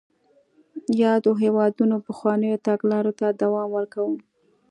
یادو هېوادونو پخوانیو تګلارو ته دوام ورکاوه.